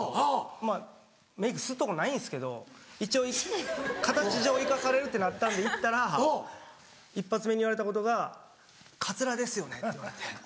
まぁメイクするとこないんすけど一応形上行かされるってなったんで行ったら一発目に言われたことが「カツラですよね」って言われて。